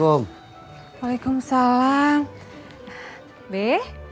wah ini perbincang pemerintah